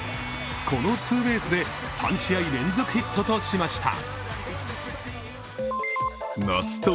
このツーベースで３試合連続ヒットとしました。